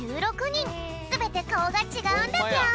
すべてかおがちがうんだぴょん。